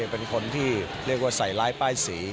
เป็นคนที่เรียกว่าใส่ร้ายป้ายสี